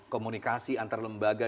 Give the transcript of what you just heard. komunikasi antar lembaga